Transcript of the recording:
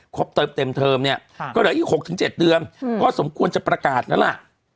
เติมเต็มเทอมเนี่ยก็เหลืออีก๖๗เดือนก็สมควรจะประกาศแล้วล่ะ